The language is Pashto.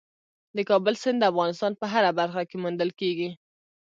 د کابل سیند د افغانستان په هره برخه کې موندل کېږي.